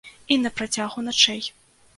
І на працягу начэй.